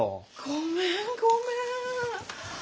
ごめんごめん。